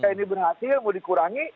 ini berhasil mau dikurangi